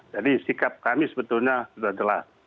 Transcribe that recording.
jadi sikap kami sebetulnya sudah jelas